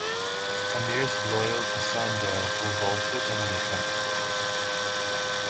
Amirs loyal to Sanjar revolted and the attempt failed.